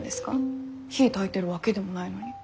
火たいてるわけでもないのに。